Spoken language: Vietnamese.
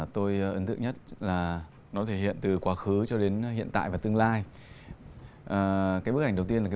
tôi ấn tượng nhất là nó thể hiện từ quá khứ cho đến hiện tại và tương lai cái bức ảnh đầu tiên là